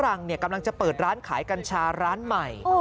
รังกำลังจะเปิดร้านขายกัญชาร้านใหม่